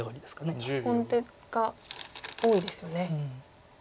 本手が多いですよね。